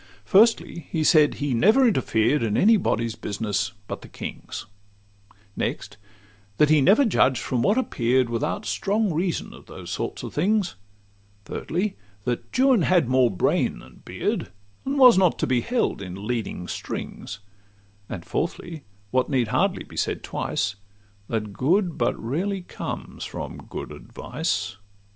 Firstly, he said, 'he never interfered In any body's business but the king's:' Next, that 'he never judged from what appear'd, Without strong reason, of those sort of things:' Thirdly, that 'Juan had more brain than beard, And was not to be held in leading strings;' And fourthly, what need hardly be said twice, 'That good but rarely came from good advice.